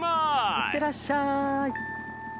いってらっしゃい。